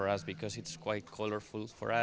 karena ini cukup berwarna warni untuk kita